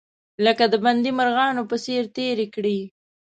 لکه د بندي مرغانو په څیر تیرې کړې.